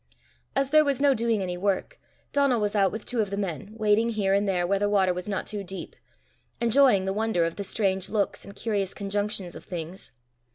As there was no doing any work, Donal was out with two of the men, wading here and there where the water was not too deep, enjoying the wonder of the strange looks and curious conjunctions of things.